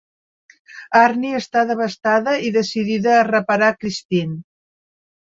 Arnie està devastada i decidida a reparar Christine.